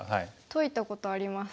解いたことあります。